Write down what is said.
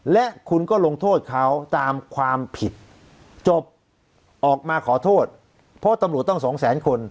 และคุณก็ลงโทษเขาตามความผิดจบออกมาขอโทษเพราะตำรวจต้องสองแสนคน